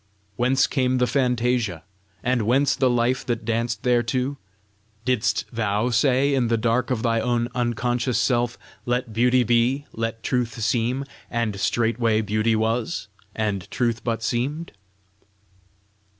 Whence came the fantasia? and whence the life that danced thereto? Didst THOU say, in the dark of thy own unconscious self, 'Let beauty be; let truth seem!' and straightway beauty was, and truth but seemed?"